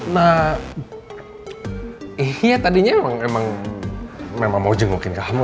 nah iya tadinya emang emang emang mau jengukin kamu